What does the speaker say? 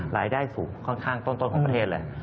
รายได้สูงค่อนข้างต้นของประเทศเลย